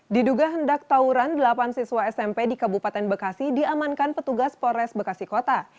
diduga hendak tauran delapan siswa smp di kabupaten bekasi diamankan petugas polres bekasi kota